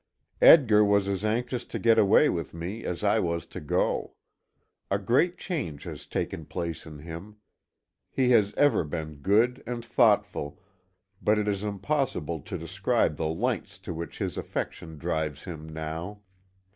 Edgar was as anxious to get away with me as I was to go. A great change has taken place in him. He has ever been good and thoughtful, but it is impossible to describe the lengths to which his affection drives him now.